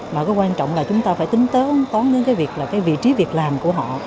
mà cái quan trọng là chúng ta phải tính tớn tón đến cái việc là cái vị trí việc làm của họ